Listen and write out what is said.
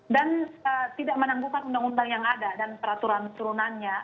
dan tidak menanggungkan undang undang yang ada dan peraturan turunannya